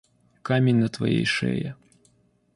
Камень на твоей шее.